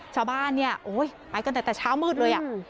ชาวบ้านเนี่ยโอ้ยไปกันตั้งแต่เช้ามืดเลยอ่ะ